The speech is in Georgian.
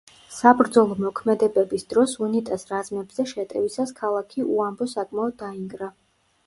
საბრძოლო მოქმედებების დროს უნიტას რაზმებზე შეტევისას ქალაქი უამბო საკმაოდ დაინგრა.